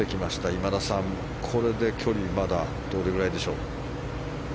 今田さん、これで距離まだどれぐらいでしょう？